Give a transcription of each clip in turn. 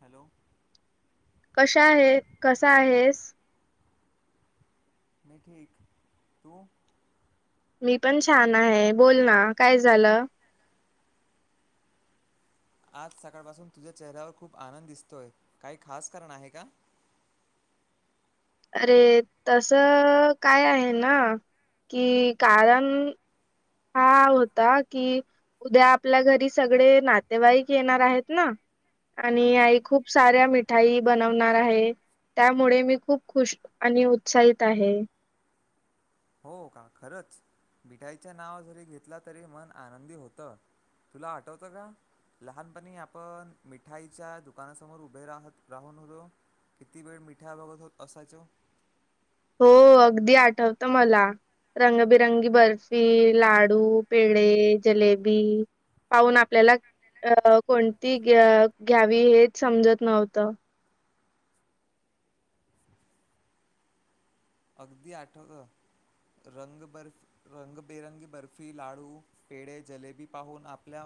Hello. कशा आहे कसा आहेस? म ठीक तू मी पण छान आहे बोल ना, काय झालं. आज सकाळ पासून तुझ्या चेहऱ्यावर खूप आनंद दिसतोय काही खास कारण आहे का? [inaudible] अरे तस काय आहे ना, कि कारण हा [inaudible] होता कि उद्या आपल्या घरी सगळे नातेवाईक येणार आहेत ना, हा आणि आई खूप साऱ्या मीटिं मिठाई बनवणार आहे त्यामुळे मी खूप, खुश आणि उत्साहित आहे. हो का खरंच मीठाईच नाव जरी घेतलं तरी मन आनंदी होत. तुला आठवतं का? लहानपणी आपण मिठाईच्या दुकानासमोर उभे राह राहून होतो. किती वेळ मिठा बघत होत असायचो. हो अगदी आठवतं मला. रंगबिरंगी बर्फी लाडू पेढे जलेबी पाहून आपल्याला. अ कोणती घ घ्यावी हेच समजत नव्हतं अगदी आठवतं. रंग बर्फ रंगबेरंगी बर्फी लाडू पेढ जलेबी पाहून आपल्या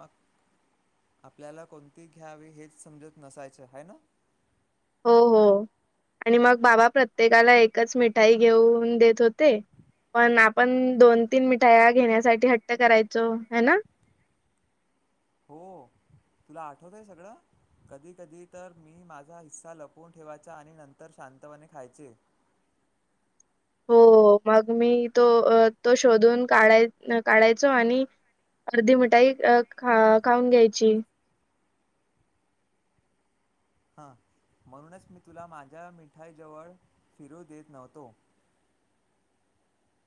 आपल्याला कोणती घ्यावी हेच समजत नसायचं हाय ना, [inaudible] हो हो आणि मग बाबा प्रत्येकाला एकच मिठाई घेऊन देत होते. पण आपण दोन तीन मिठाया घेण्यासाठी हट्ट करायचो हे ना, हो तुला आठवत आहे सगळं कधी कधी तर मी माझा हिस्सा लपवून ठेवायचा आणि नंतर शांतपणे खायचे. [inaudible] हो मग मी तो तो शोधून काढाय काढायचो आणि अर्धी मिठाई ख खाऊन घ्यायची. हा म्हणूनच मी तुला माझ्या मिठाई जवळ फिरू देत नव्हतो. [inaudible]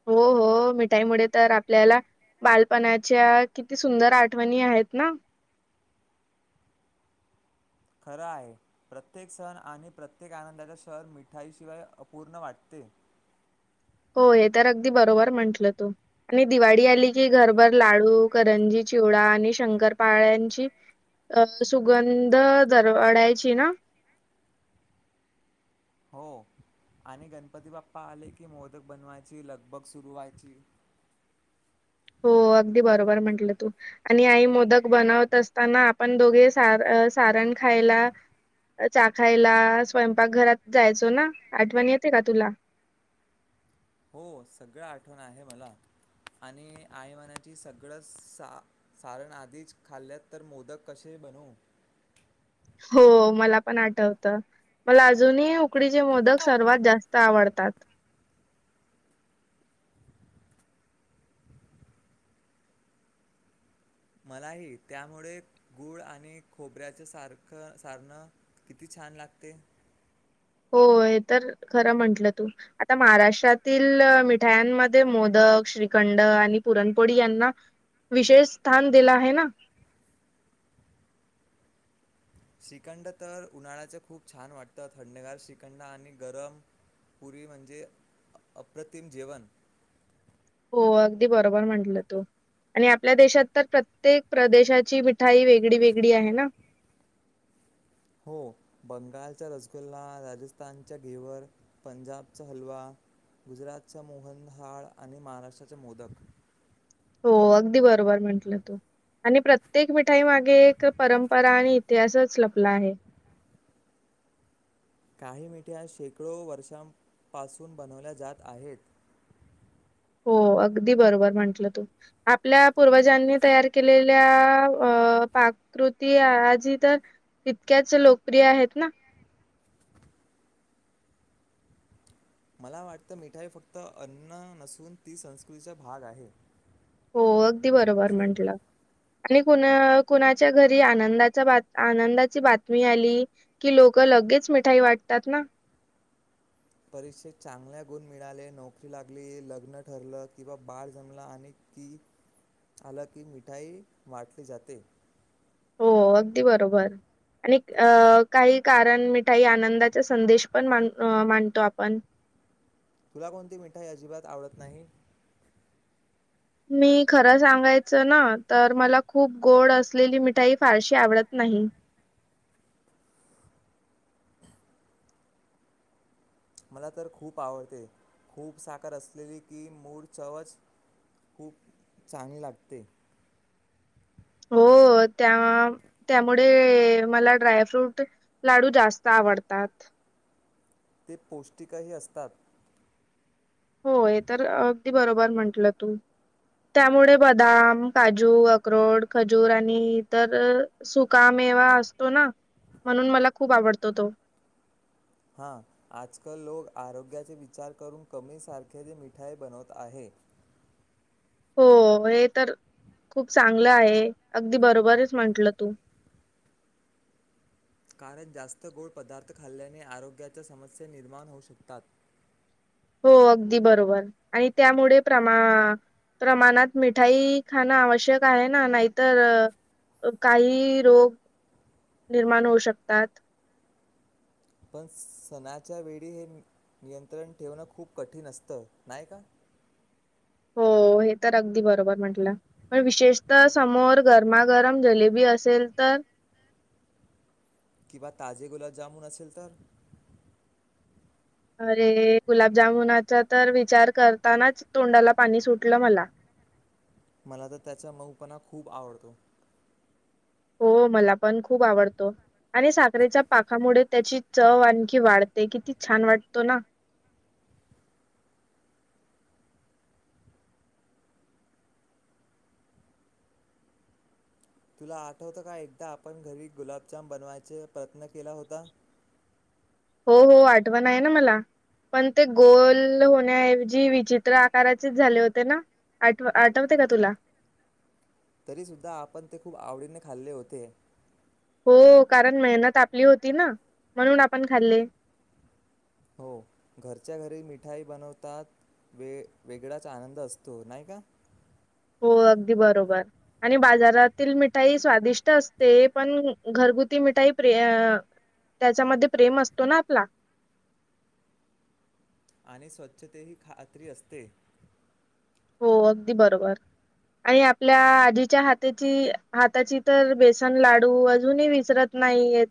हो हो मिठाईमुळे तर आपल्याला बालपणाच्या किती सुंदर आठवणी आहेत. य त ना, [inaudible] खरं आहे प्रत्येक सण आणि प्रत्येक आनंदाचा क्षण मिठाई शिवाय अपूर्ण वाटते. [inaudible] हो हे तर अगदी बरोबर म्हंटलं तो आणि दिवाळी आली की घरभर लाडू करंजी चिव डा आणि शंकर पाळ्यांची अ सुगंध दर वेडायची ना, हो. आणि गणपती बाप्पा आले की मोदक बनवायची लगबग सुरू व्हायची [inaudible] हो अगदी बरोबर म्हंटलं तू आणि आई मोदक बनवत असताना. आपण दोघे सार सारण खायला चाखायला स्वयंपाक घरात जायचो ना आठवण येते का तुला हो सगळं आठवण आहे मला आणि आईमानाची सगळं सारण आधीच खाल्ल्यात तर मोदक कसे बन हो मला पण आठवत. मला अजूनही उकडीचे मोदक सर्वात जास्त आवडतात. [unintelligible] मलाही त्यामुळे गुळ आणि खोबऱ्याच सारख सारणं किती छान लागते. हो हे तर खरं म्हंटलं तू आता महाराष्ट्रातील मिठायांमध्ये मोदक श्रीखंड आणि पुरणपोळी यांना विशेष स्थान दिलं आहे ना. [unintelligible] श्रीखंड तर उन्हाळ्याच खूप छान वाटत थंडेगार श्रीखंड आणि गरम पूर्वी म्हणजे अप्रतिम जेवण ग अगदी बरोबर म्हंटलं तो. आणि आपल्या देशात तर प्रत्येक प्रदेशाची मिठाई वेगळी वेगळी आहे ना. [unintelligible] हो बंगालचा रसगुल्ला राजस्थानच्या घेवर पंजाबचा हलवा गुजरातचा मोहनहाळ आणि महाराष्ट्राचे मोदक. हो अगदी बरोबर म्हटलं तू आणि प्रत्येक मिठाई मागे एक परंपरा आणि इतिहासच लपला आहे. काही मिठ्या शेकडो वर्षांपासून बनवल्या जात आहेत. [unintelligible] हो अगदी बरोबर म्हंटलं तू आपल्या पूर्वजांनी तयार केलेल्या पाकृती आजी तर तितक्याच लोकप्रिय आहेत ना. मला वाटतं मिठाई फक्त अन्न नसून ती संस्कृतीचा भाग आहे. हो अगदी बरोबर म्हटलं. आणि कुणा कुणाच्या घरी आनंदा आनंदाची बातमी आली की लोक लगेच मिठाई वाटतात ना. [unintelligible] परीक्षेत चांगल्या गुण मिळाले नोकरी लागली लग्न ठरलं किंवा बाळ जमलं आणि कि आलं की मिठाई वाटली जाते. हो अगदी बरोबर आणि अ काही कारण मिठाई आनंदाचा संदेश पण मांडतो आपण तुला कोणती मिठाई अजिबात आवडत नाही. मी खरं सांगायचं ना तर मला खूप गोड असलेली मिठाई फारशी आवडत नाही. नाही. मला तर खूप आवडते खूप साखर असलेली की मूळ चवच खूप चांग लागते. हो त्या त्यामुळे मला ड्रायफ्रूट लाडू जास्त आवडत आवडतात. ते पौष्टिकही असतात. होय तर अगदी बरोबर म्हंटलं तू त्यामुळे बदाम काजू अक्रोट खजूर आणि इ तरर सुकाम असतो म्हणून मला खूप आवडतो तो. हा आजकाल लोक आरोग्याचे विचार करून कमी सारखे जे मिठाई बनवत आहे. [inaudible] हो हे तर खूप चांगलं आहे अगदी बरोबरच म्हंटलं तू. [unintelligible] कारण जास्त गोड पदार्थ खाल्ल्याने आरोग्याच्या समस्या निर्माण होऊ शकतात. [inaudible] हो, अगदी बरोबर आणि त्यामुळे प्रमा प्रमाणात मिठाई खाणं आवश्यक आहे ना, नाहीतर काही रोग निर्माण होऊ शकतात. पण सणाच्या वेळी हे नियंत्रण ठेवणं खूप कठीण असतं नाही का? [inaudible] होय तर अगदी बरोबर म्हटलं, पण विशेषतः समोर गरमागरम जिलेबी असेल तर? किंवा ताजे गुलाबजामुन असेल तर? अरे गुलाबजामुनाचा तर विचार करतानाच तोंडाला पाणी सुटलं मला. मला तर त्याचा मऊपणा खूप आवडतो. हो, मला पण खूप आवडतो. आणि साखरेच्या पाकामुळे त्याची चव आणखी वाढते, किती छान वाटतो ना? तुला आठवत का एकदा आपण घरी गुलाबजाम बनवायचा प्रयत्न केला होता. हो हो आठवण आहे ना मला. पण ते गोल होण्या ऐवजी विचित्र आकाराचेच झाले होते ना? आठव आठवते का तुला? तरीसुद्धा आपण ते खूप आवडीने खाल्ले होते. हो, कारण मेहनत आपली होती ना, म्हणून आपण खाल्ले‌. हो घरच्या घरी मिठाई बनवतात. वे वेगळाच आनंद असतो नाही का? हो, अगदी बरोबर आणि बाजारातील मिठाई स्वादिष्ट असते पण घरगुती मिठाई प्रय त्याच्यामध्ये प्रेम असतो ना आपला. आणि स्वच्छ ते ही खात्री असते. हो अगदी बरोबर. आणि आपल्या आजीच्या हाताची हाताची तर बेसन लाडू अजूनही विसरत नाही नाही येत.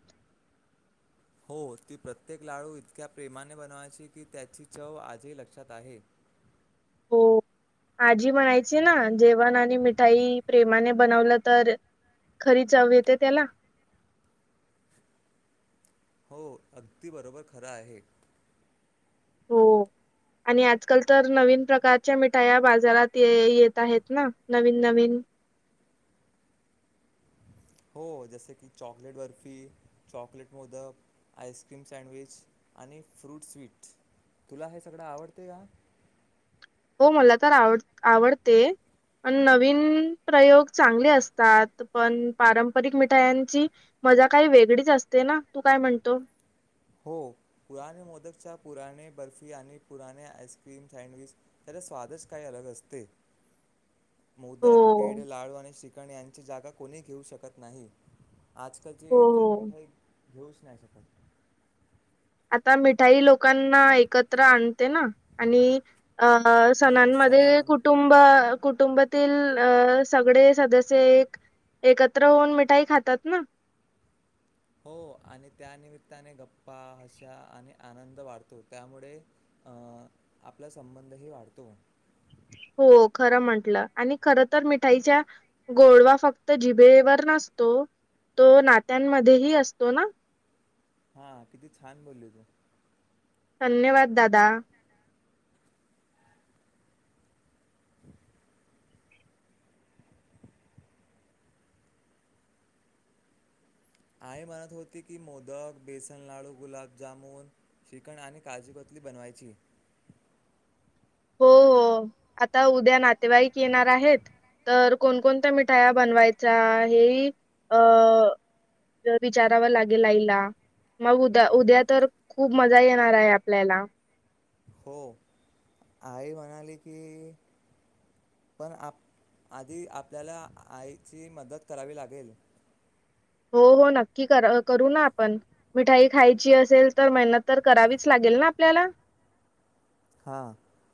[inaudible] हो ती प्रत्येक लाडू इतक्या प्रेमाने बनवायची की त्याची चव आजही लक्षात आहे. [unintelligible] हो आजी म्हणायची ना, जेवण आणि मिठाई प्रेमाने बनवलं तर खरी चव येते त्याला. हो अगदी बरोबर खरं आहे. हो. [unintelligible] आणि आजकाल तर नवीन प्रकारच्या मिठाया बाजारात येत आहेत ना नवीन नवीन. हम. हो जसे की chocolate barfi, chocolate modak, ice cream, sandwich. आणि फ्रूट स्वीट तुला हे सगळं आवडते का? हो, मला तर आवड आवडते. आणि नवीन प्रयोग चांगले असतात, पण पारंपरिक मिठायांची मजा काही वेगळीच असते ना, तू काय म्हणतो? हो पुराने मोदकच्या पुराने बर्फी आणि पुराणे आईस्क्रीम सँडविच स्वादचं काही अलग असते. हो मोदक, पेढ, लाडू आणि श्रीखंड यांची जागा कोणी घेऊ शकत नाही. हो आजकालची तर हो. मिठाई घेऊच नाही शकत. आता मिठाई लोकांना एकत्र आणते ना आणी अ हो सणांमध्ये सणामन कुटुंब कुटुंबातील अ सगळे सदस्य एक एकत्र होऊन मिठाई खातात ना? [inaudible] हो आणि त्यानिमित्ताने गप्पा हशा आणि आनंद वाढतो त्यामुळे- अ आपला संबंधही वाढतो. हो खर म्हंटलं आणि खरं म्हणजे या तर मिठाईच्या गोडवा फक्त जिभेवर नसतो. तो तो नात्यांमध्ये ही असतो ना? हा किती छान बोलले तू. धन्यवाद दादा. आई म्हणत होते की मोदक, बेसन लाडू, गुलाबजामून, चिकन आणि काजूकतली बनवायची. हो आता उद्या नातेवाईक येणार आहेत. तर कोणकोणत्या मिठाया बनवायच्या हे अं विचारावं लागेल आईला. मग उद्या उद्या तर खूप मजा येणार आहे आपल्याला. हो आई म्हणाली की पण आप आधी आपल्याला आईची मदत करावी लागेल. हो, हो नक्की करू ना आपण मिठाई खायची असेल तर मेहनत तर करावीच लागेल. आपल्याला हा.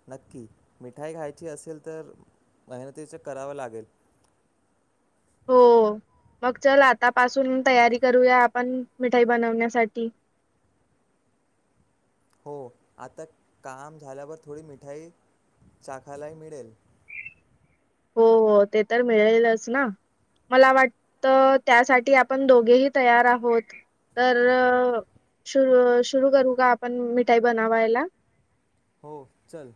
नक्की मिठाई खायची असेल तर मेहनतीचं करावं लागेल. [unintelligible] हो. मग चल आतापासून तयारी करूया आपण मिठाई बनवण्यासाठी. [unintelligible] आता काम झाल्यावर थोडी मिठाई चाखायलाही मिळेल. [unintelligible] हो, हो ते तर मिळेलच ना. मला वाटत त्यासाठी आपण दोघेही तयार आहोत. तर सुरू सुरू करू का आपण मिठाई बनवायला. हो चल.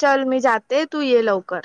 चल मी जाते तू ये लवकर.